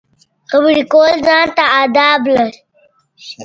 خبرې کول ځان ته اداب لري.